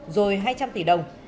rồi hai trăm linh tỷ đồng